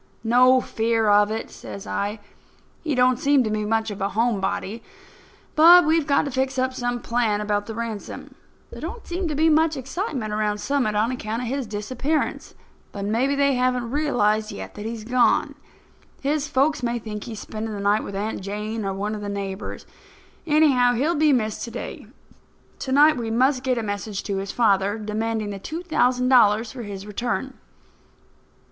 "No fear of it," says I. "He don't seem to be much of a home body. But we've got to fix up some plan about the ransom. There don't seem to be much excitement around Summit on account of his disappearance; but maybe they haven't realized yet that he's gone. His folks may think he's spending the night with Aunt Jane or one of the neighbours. Anyhow, he'll be missed to day. To night we must get a message to his father demanding the two thousand dollars for his return."